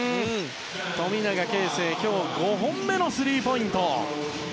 富永啓生、今日５本目のスリーポイント。